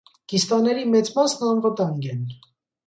Կիստաների մեծ մասն անվտանգ են։